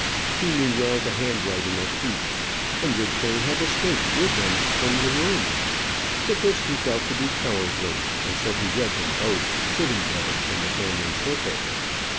He knew well the handwriting of each, and would fain have escaped with them from the room. But this he felt to be cowardly; and so he read them both, sitting there in the family circle.